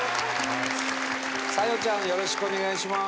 沙夜ちゃんよろしくお願いします。